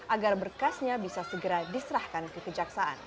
agar berkasnya bisa segera diserahkan kekejaksaan